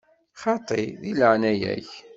Xaṭi, deg leɛnaya-k!